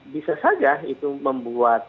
bisa saja itu membuat